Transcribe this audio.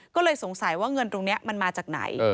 ก็เลยสงสัยว่าเงินตรงนี้มันมาจากไหน